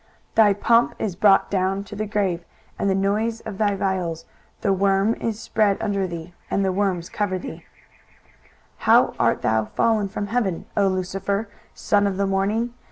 23:014:011 Thy pomp is brought down to the grave, and the noise of thy viols: the worm is spread under thee, and the worms cover thee. 23:014:012 How art thou fallen from heaven, O Lucifer, son of the morning!